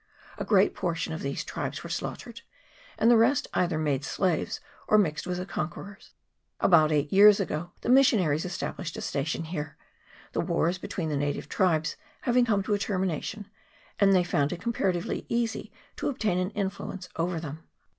A great por tion of these tribes were slaughtered, and the rest either were made slaves or mixed with the conquer ors. About eight years ago the missionaries esta blished a station here, the wars between the native tribes having come to a termination, and they found it comparatively easy to obtain an influence over them.